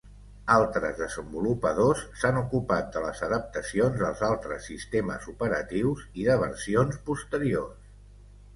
Altres desenvolupadors s'han ocupat de les adaptacions als altres sistemes operatius i de versions posteriors.